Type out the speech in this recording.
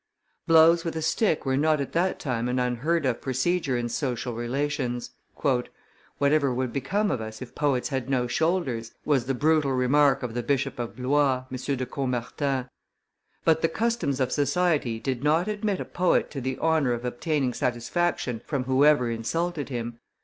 Blows with a stick were not at that time an unheard of procedure in social relations. "Whatever would become of us if poets had no shoulders!" was the brutal remark of the Bishop of Blois, M. de Caumartin. But the customs of society did not admit a poet to the honor of obtaining satisfaction from whoever insulted him.